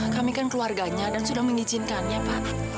kami kan keluarganya dan sudah mengizinkannya pak